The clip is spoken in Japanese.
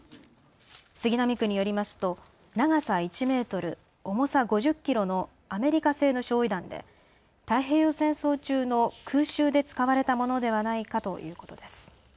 杉並区によりますと長さ１メートル、重さ５０キロのアメリカ製の焼い弾で太平洋戦争中の空襲で使われたものではないかということです。